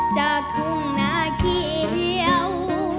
จากถุงหน้าที่เหี้ยว